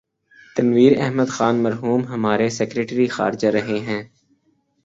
تنویر احمد خان مرحوم ہمارے سیکرٹری خارجہ رہے ہیں۔